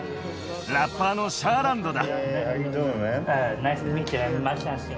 ラッパーのシャーランドだ。